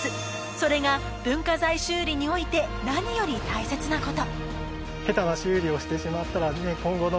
それが文化財修理において何より大切なことええ